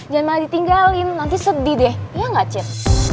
jangan malah ditinggalin nanti sedih deh iya gak cip